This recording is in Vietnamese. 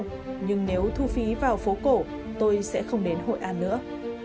nhưng nếu thu phí vào phố cổ tôi sẽ không đến hội an nữa